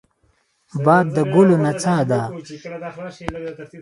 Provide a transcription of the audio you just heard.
باد د ګلو نڅا ده